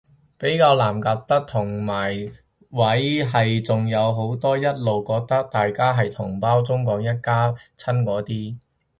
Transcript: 比較難夾得埋嘅位係仲有好多一路覺得大家係同胞中港一家親嗰啲